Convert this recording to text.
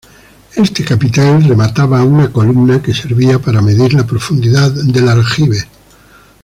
Este capitel remataba una columna que servía para medir la profundidad del aljibe.